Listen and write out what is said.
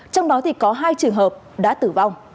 trong đó thì có hai trường hợp đã tử vong